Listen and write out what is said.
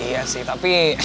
iya sih tapi